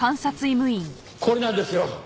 これなんですよ。